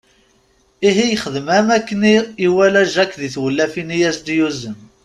Ihi yexdem am akken iwala Jack di tewlafin i as-d-yuzen.